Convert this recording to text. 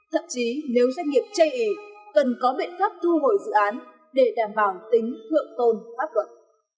thậm chí nếu doanh nghiệp chây ý cần có biện pháp thu hồi dự án để đảm bảo tính thượng tôn pháp luật